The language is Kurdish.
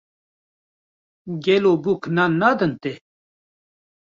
Gelo bûk nan nadin te